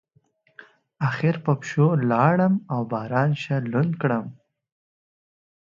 اخر په پښو لاړم او باران ښه لوند کړلم.